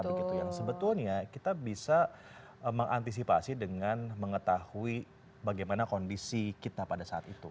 yang sebetulnya kita bisa mengantisipasi dengan mengetahui bagaimana kondisi kita pada saat itu